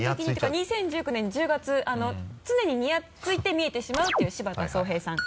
２０１９年１０月常にニヤついて見えてしまうという柴田草平さん。